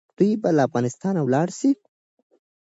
دوی به له افغانستانه ولاړ سي.